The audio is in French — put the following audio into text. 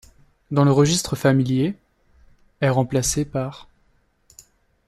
Dans le registre familier, ' est remplacé par '.